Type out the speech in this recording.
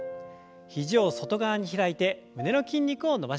肘を外側に開いて胸の筋肉を伸ばします。